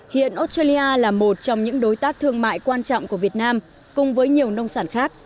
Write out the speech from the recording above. hiện australia là một trong những đối tác thương mại quan trọng của việt nam cùng với nhiều nông sản khác